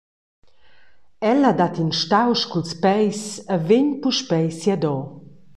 Ella dat in stausch culs peis e vegn puspei siadora.